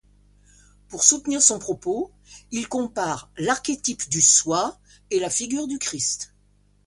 Pour soutenir son propos il compare l'archétype du Soi et la figure du Christ.